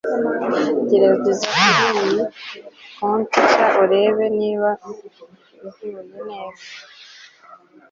Gerageza kuriyi koti nshya urebe niba ihuye neza